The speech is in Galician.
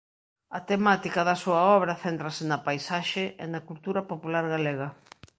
A temática da súa obra céntrase na paisaxe e na cultura popular galega.